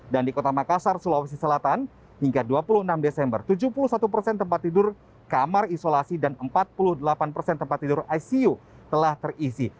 dan di kota makassar sulawesi selatan hingga dua puluh enam desember tujuh puluh satu persen tempat tidur kamar isolasi dan empat puluh delapan persen tempat tidur icu telah terisi